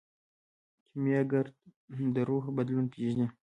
کیمیاګر د روح بدلون پیژني.